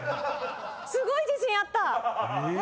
すごい自信あった！